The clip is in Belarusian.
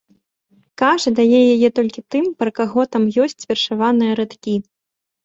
Кажа, дае яе толькі тым, пра каго там ёсць вершаваныя радкі.